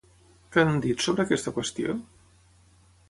Què han dit sobre aquesta qüestió?